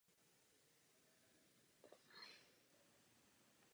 Následně pracoval v různých manažerských pozicích.